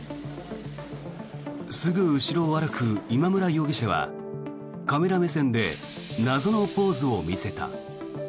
すぐ後ろを歩く今村容疑者はカメラ目線で謎のポーズを見せた。